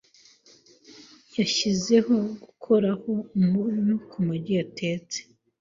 Yashyize gukoraho umunyu kumagi yatetse .